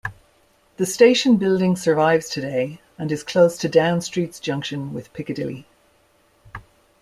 The station building survives today and is close to Down Street's junction with Piccadilly.